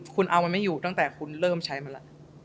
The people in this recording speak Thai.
คุณเอามันไม่อยู่ตั้งแต่คุณเริ่มใช้มาแล้ว